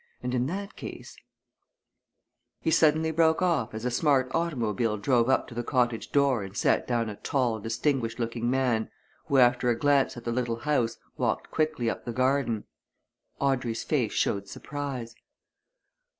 And in that case " He suddenly broke off as a smart automobile drove up to the cottage door and set down a tall, distinguished looking man who after a glance at the little house walked quickly up the garden. Audrey's face showed surprise.